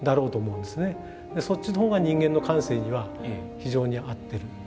そっちのほうが人間の感性には非常に合ってる。